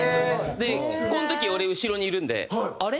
でこの時俺後ろにいるんであれ？